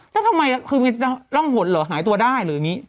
แล้วทำไมคือมีร่องหนเหรอหายตัวได้หรืออย่างนี้